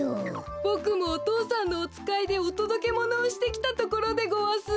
ボクもお父さんのおつかいでおとどけものをしてきたところでごわす。